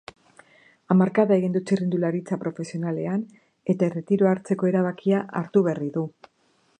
Hamarkada egin du txirrindularitza profesionalean eta erretiroa hartzeko erabakia hartu berri du.